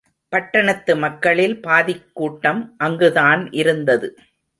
பட்டணத்து மக்களில் பாதிக்கூட்டம் அங்குதான் இருந்தது.